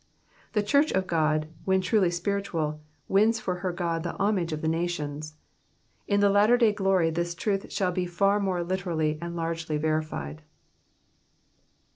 The church of God, when truly spiritual, wins for her God the horoiigc of the nations. In the latter day glory this truth shall be far more literally and. largely verified.